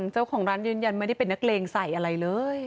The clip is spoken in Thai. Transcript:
เจ้าของร้านยืนยันไม่ได้เป็นนักเลงใส่อะไรเลย